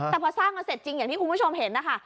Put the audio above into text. แต่พอสร้างมาเสร็จจริงอย่างที่คุณผู้ชมเห็นนะคะ